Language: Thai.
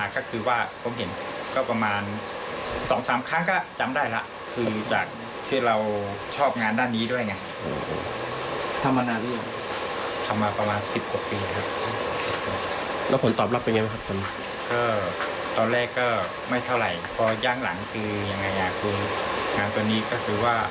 ก็ไม่เท่าไหร่พอย่างหลังคืออย่างไรอย่างตัวนี้ก็คือว่า